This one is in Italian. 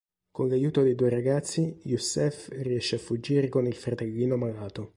Con l'aiuto dei due ragazzi, Youssef riesce a fuggire con il fratellino malato.